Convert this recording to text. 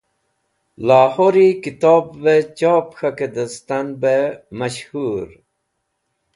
Lahori Kitobve Chop K̃hake distan be mash hur